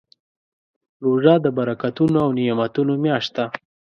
روژه د برکتونو او نعمتونو میاشت ده.